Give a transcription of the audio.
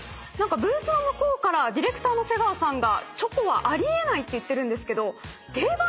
ブースの向こうからディレクターのセガワさんがチョコはあり得ないと言ってるんですけど定番ですよね